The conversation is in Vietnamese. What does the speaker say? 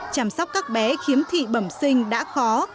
chăm sóc các bé khiếm thị bẩm sinh đã khó